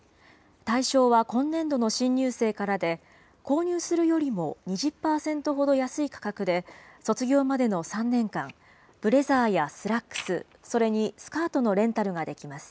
対象は今年度の新入生からで、購入するよりも２０％ほど安い価格で、卒業までの３年間、ブレザーやスラックス、それにスカートのレンタルができます。